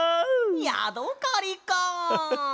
やどかりか！